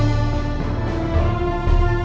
ที่สุดท้าย